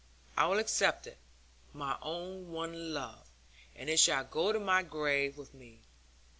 I will accept it, my own one love; and it shall go to my grave with me.'